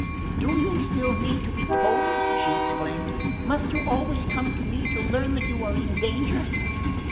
"Do you still need to be told?" she exclaimed. "Must you always come to me to learn that you are in danger?"